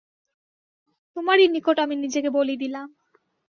তোমারই নিকট আমি নিজেকে বলি দিলাম।